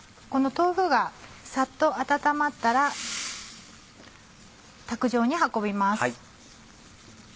この豆腐がさっと温まったら卓上に運びます。